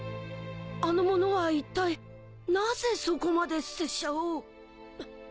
あの者はいったいなぜそこまで拙者をハッ。